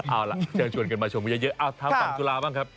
เอาล่ะเจ้าชวนกันมาชมเยอะเอาเท้าต่างจุฬาว่ะครับ